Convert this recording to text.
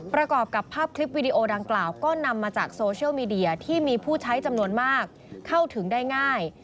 ประกอบกับภาพคลิปวิดีโอดังกล่าวก็นำมาจากโซเชียลมีเดียที่มีผู้ใช้จำนวนมากเข้าถึงได้ง่าย